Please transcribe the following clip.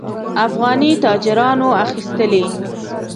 افغاني تاجرانو اخیستلې.